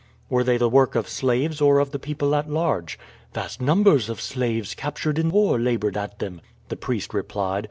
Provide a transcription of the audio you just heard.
"Were they the work of slaves or of the people at large?" "Vast numbers of slaves captured in war labored at them," the priest replied.